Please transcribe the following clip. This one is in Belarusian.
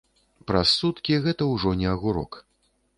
Праз суткі гэта ўжо не агурок.